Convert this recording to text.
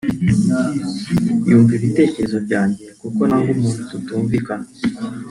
yumva ibitekerezo byanjye kuko nanga umuntu tutumvikana